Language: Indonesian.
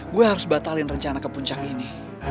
gue harus batalin rencana ke puncak ini